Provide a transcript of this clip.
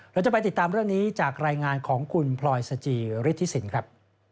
เราจะไปติดตามเรื่องนี้จากรายงานของคุณพลอยสจิฤทธิสินครับ